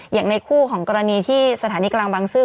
อย่างในคู่ของกรณีที่สถานีกลางบางซื่อ